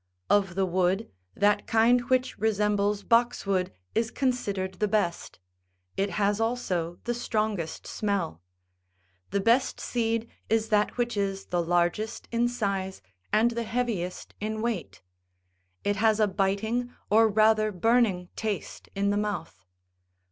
Of the wood, that kind which resembles boxwood is considered the best : it has also the strongest smell. The best seed is that which is the largest in size and the heaviest in weight ; it has a biting or rather burning taste in the mouth.